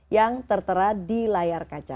yang tertera di layar kaca